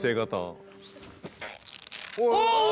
お！